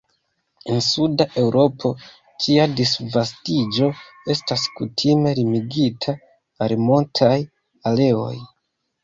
En suda Eŭropo, ĝia disvastiĝo estas kutime limigita al montaj areoj.